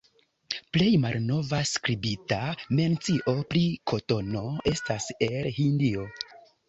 Plej malnova skribita mencio pri kotono estas el Hindio.